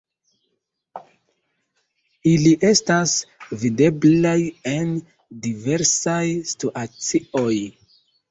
Ili estas videblaj en diversaj situacioj.